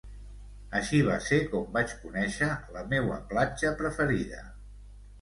Així va ser com vaig conéixer la meua platja preferida.